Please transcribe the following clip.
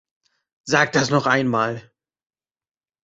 Sag das noch einmal!